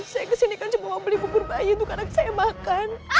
saya kesini kan cuma mau beli bubur bayi itu kadang saya makan